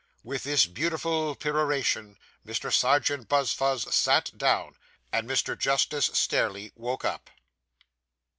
With this beautiful peroration, Mr. Serjeant Buzfuz sat down, and Mr. Justice Stareleigh woke up.